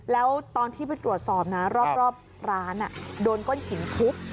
แล้วตอนที่ไปตรวจสอบนะรอบร้านโดนก้อนหินทุบ